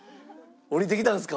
おりてきたんですか？